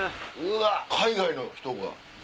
海外の人が。